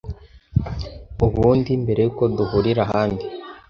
Ubundi mbere yuko duhurira ahandi. "